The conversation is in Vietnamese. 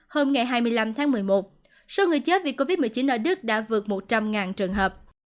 hôm ngày hai mươi năm tháng một mươi một số người chết vì covid một mươi chín ở đức đã vượt một trăm linh trường hợp